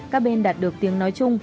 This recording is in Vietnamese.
các bên đạt được tiếng nói chung